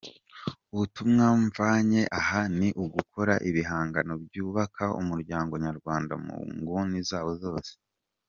Ubutumwa mvanye aha ni ugukora ibihangano byubaka umuryango nyarwanda mu nguni zawo zose.